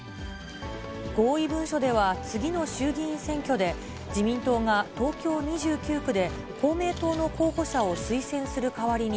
合意文書では次の衆議院選挙で、自民党が東京２９区で公明党の候補者を推薦する代わりに、